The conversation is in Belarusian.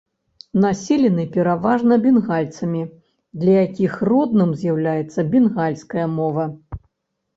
Населены пераважна бенгальцамі, для якіх родным з'яўляецца бенгальская мова.